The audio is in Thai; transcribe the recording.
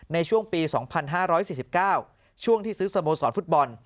ในช่วงปี๒๕๔๙ช่วงที่ซื้อสโมสรฟุตบอล